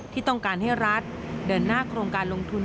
ที่ต้องการให้รัฐเดินหน้าโครงการลงทุน